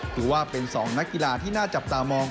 ถือว่าเป็น๒นักกีฬาที่น่าจับตามอง